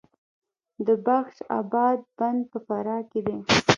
د بخش اباد بند په فراه کې دی